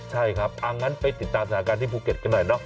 ใช่ครับงั้นไปติดตามสถานการณ์ที่ภูเก็ตกันหน่อยเนาะ